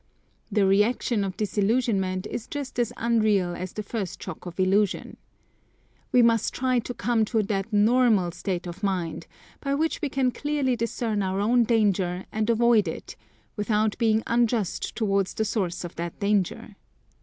The reaction of disillusionment is just as unreal as the first shock of illusion. We must try to come to that normal state of mind, by which we can clearly discern our own danger and avoid it, without being unjust towards the source of that danger.